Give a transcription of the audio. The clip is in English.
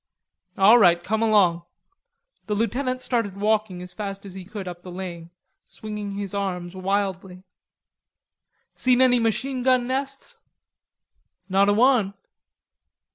"All right, come along." The lieutenant started walking as fast as he could up the lane, swinging his arms wildly. "Seen any machine gun nests?" "Not a one."